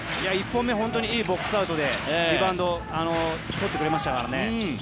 １本目いいボックスアウトでリバウンドを取ってくれましたからね。